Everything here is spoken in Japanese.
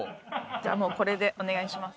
じゃあもうこれでお願いします。